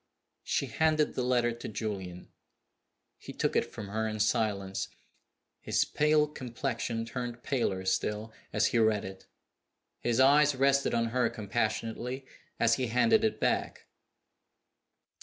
_" She handed the letter to Julian. He took it from her in silence. His pale complexion turned paler still as he read it. His eyes rested on her compassionately as he handed it back.